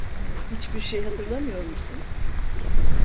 Hiçbir şey hatırlamıyor musun?